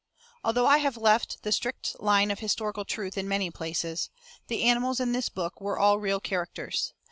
Although I have left the strict line of historical truth in many places, the animals in this book were all real characters.